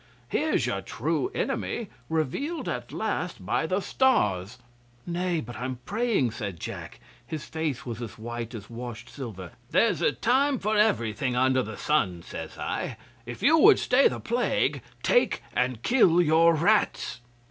"Here's your true enemy, revealed at last by the stars." '"Nay, but I'm praying," says Jack. His face was as white as washed silver. '"There's a time for everything under the sun," says I. "If you would stay the plague, take and kill your rats."